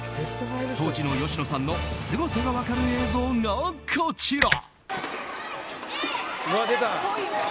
当時の吉野さんのすごさが分かる映像がこちら。